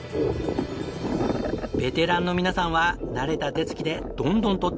ベテランの皆さんは慣れた手つきでどんどん獲っていきます。